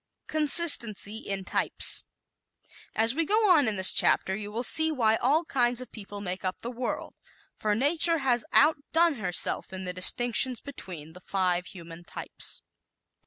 Consistency in Types ¶ As we go on in this chapter you will see why all kinds of people make up the world, for Nature has outdone herself in the distinctions between the five human types.